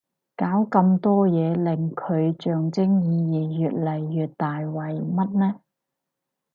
搞咁多嘢令佢象徵意義越嚟越大為乜呢